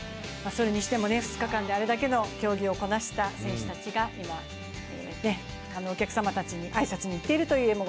それにしても２日間であれだけの競技をこなした選手たちが、今、ほかのお客様たちに挨拶に行っているという画を